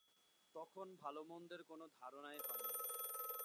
তখন ভালমন্দের কোন ধারণাই হয় নাই।